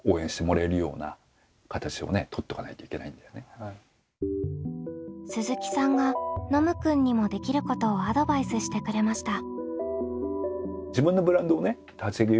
であと鈴木さんがノムくんにもできることをアドバイスしてくれました。